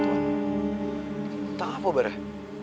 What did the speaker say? tentang apa barah